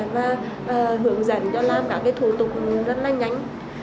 và hướng dẫn cho làm các thủ tục rất là nhanh